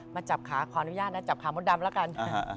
มาจับขาขออนุญาตนะจับขามดดำแล้วกัน